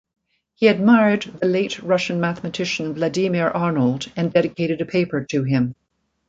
He admired the late Russian mathematician Vladimir Arnold and dedicated a paper to him.